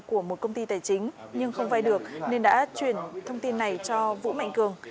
của một công ty tài chính nhưng không vay được nên đã chuyển thông tin này cho vũ mạnh cường